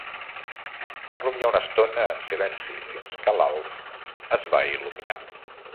Van rumiar una estona en silenci fins que l'Alf es va il·luminar.